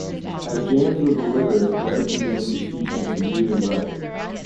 As James was illiterate, Wright began to teach him to read and write.